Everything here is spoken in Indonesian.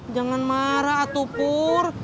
jangan marah atuh puh